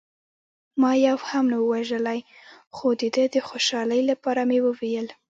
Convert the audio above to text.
ما یو هم نه و وژلی، خو د ده د خوشحالۍ لپاره مې وویل.